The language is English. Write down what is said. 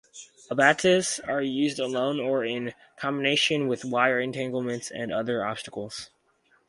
Abatis are used alone or in combination with wire entanglements and other obstacles.